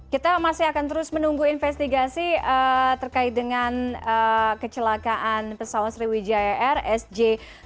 kita masih akan terus menunggu investigasi terkait dengan kecelakaan pesawat sriwijaya air sj satu ratus sepuluh